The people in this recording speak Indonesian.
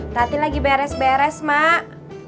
tadi lagi beres beres mak